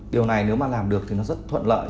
điều này nếu mà làm được thì nó rất thuận lợi